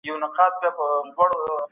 بدلون لرو.